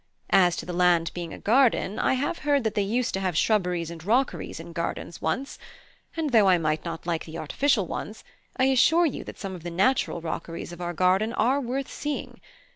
As to the land being a garden, I have heard that they used to have shrubberies and rockeries in gardens once; and though I might not like the artificial ones, I assure you that some of the natural rockeries of our garden are worth seeing.